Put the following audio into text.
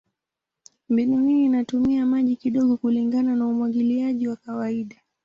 Mbinu hii inatumia maji kidogo kulingana na umwagiliaji wa kawaida.